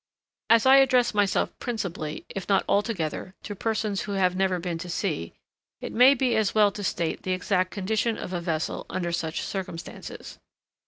As I address myself principally, if not altogether, to persons who have never been to sea, it may be as well to state the exact condition of a vessel under such circumstances.